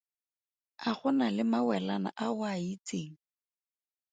A go na le mawelana a o a itseng?